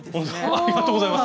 ありがとうございます。